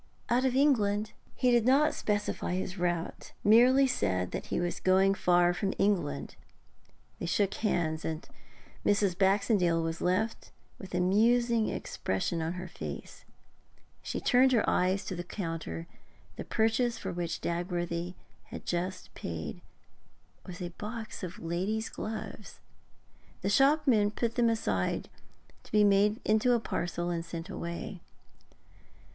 'Out of England?' He did not specify his route, merely said that he was going far from England. They shook hands, and Mrs. Baxendale was left with a musing expression on her face. She turned her eyes to the counter; the purchase for which Dagworthy had just paid was a box of ladies' gloves. The shopman put them aside, to be made into a parcel and sent away.